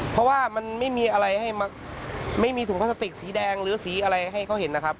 เพราะว่ามันไม่มีอะไรให้ไม่มีถุงพลาสติกสีแดงหรือสีอะไรให้เขาเห็นนะครับ